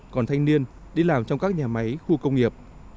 còn thanh niên đi làm trong các nhà máy khu công nghiệp